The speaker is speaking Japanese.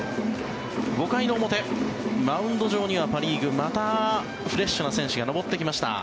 ５回の表、マウンド上にはパ・リーグまたフレッシュな選手が上ってきました。